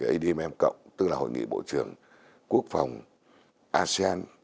admm cộng tức là hội nghị bộ trưởng quốc phòng asean